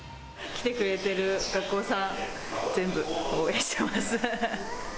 来てくれてる学校さん、全部応援してます。